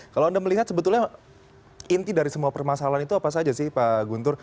kalau anda melihat sebetulnya inti dari semua permasalahan itu apa saja sih pak guntur